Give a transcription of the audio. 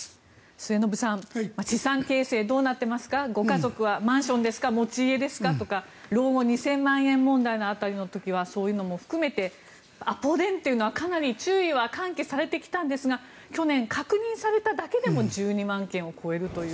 末延さん資産形成どうなっていますかご家族はマンションですか持ち家ですかとか老後２０００万円問題の辺りの時はそういうものも含めてアポ電というのはかなり注意は喚起されてきたんですが去年、確認されただけでも１２万件を超えるという。